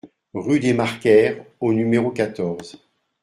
Rue des Marcaires au numéro quatorze